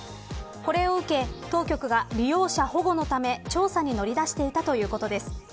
これを受け、当局が利用者保護のため調査に乗り出していたということです。